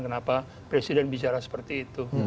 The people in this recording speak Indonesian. kenapa presiden bicara seperti itu